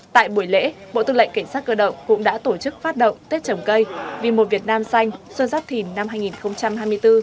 tại buổi lễ bộ tư lệnh cảnh sát cơ động cũng đã tổ chức phát động tết trồng cây vì một việt nam xanh xuân giáp thìn năm hai nghìn hai mươi bốn